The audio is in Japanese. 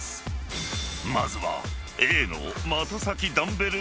［まずは］